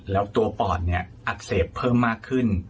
แล้วตัวปอดเนี่ยอักเสบเพิ่มมากขึ้น